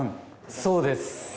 そうです。